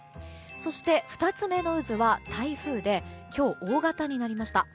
そして、２つ目の渦は台風で今日、大型になりました。